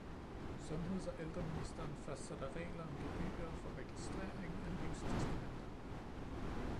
Sundheds- og ældreministeren fastsætter regler om gebyrer for registrering af livstestamenter